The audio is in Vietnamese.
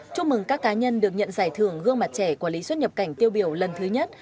chúc mừng các cá nhân được nhận giải thưởng gương mặt trẻ quản lý xuất nhập cảnh tiêu biểu lần thứ nhất